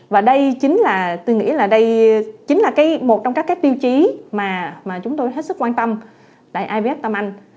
và đây chính là tôi nghĩ là đây chính là một trong các cái tiêu chí mà chúng tôi hết sức quan tâm tại ivf tâm anh